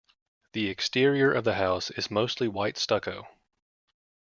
The exterior of the house is mostly white stucco.